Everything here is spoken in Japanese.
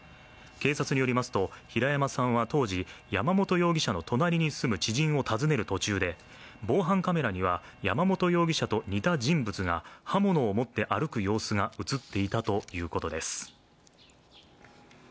警察によりますと、平山さんは当時山本容疑者の隣に住む知人を訪ねる途中で、防犯カメラには、山本容疑者と似た人物が刃物を持って歩く様子が映っていたということです。